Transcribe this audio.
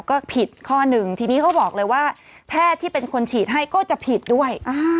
ก็ผิดข้อหนึ่งทีนี้เขาบอกเลยว่าแพทย์ที่เป็นคนฉีดให้ก็จะผิดด้วย